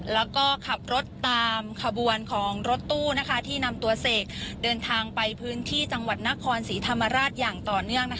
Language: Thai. แล้วก็ขับรถตามขบวนของรถตู้ที่นำตัวเสกเดินทางไปพื้นที่จังหวัดนครศรีธรรมราชอย่างต่อเนื่อง